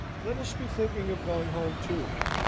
Let us be thinking of going home too.